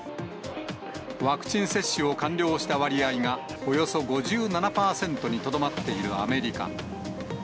ワクチン接種を完了した割合が、およそ５７％にとどまっているアメリカ。